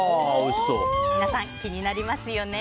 皆さん、気になりますよね。